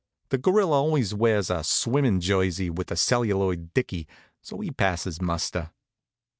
The Gorilla always wears a swimmin' jersey with a celluloid dicky; so he passes muster.